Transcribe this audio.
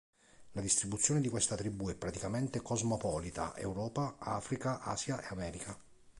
La distribuzione di questa tribù è praticamente cosmopolita: Europa, Africa, Asia e America.